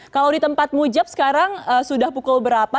kalau di tempat mujab sekarang sudah pukul berapa